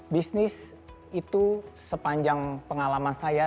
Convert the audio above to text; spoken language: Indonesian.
bisnis itu sepanjang pengalaman saya